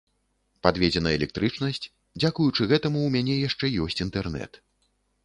Падведзена электрычнасць, дзякуючы гэтаму ў мяне яшчэ ёсць інтэрнэт.